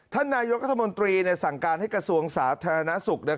ท่านนายกรัฐมนตรีสั่งการให้กระทรวงสาธารณสุข